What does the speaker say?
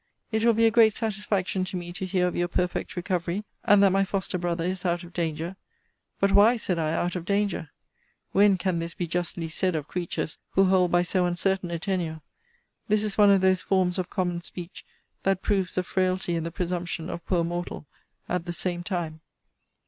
It will be a great satisfaction to me to hear of your perfect recovery; and that my foster brother is out of danger. But why, said I, out of danger? When can this be justly said of creatures, who hold by so uncertain a tenure? This is one of those forms of common speech, that proves the frailty and the presumption of poor mortals at the same time.